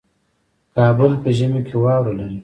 کابل په ژمي کې واوره لري